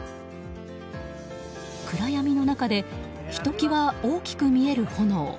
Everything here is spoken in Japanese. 暗闇の中でひときわ大きく見える炎。